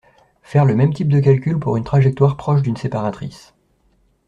Faire le même type de calcul pour une trajectoire proche d'une séparatrice